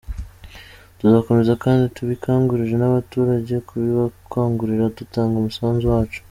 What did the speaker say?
Tuzakomeza kandi tubikangurire n’abaturage kubibakangurira dutanga umusanzu wacu.